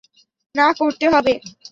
না, করতে হবে।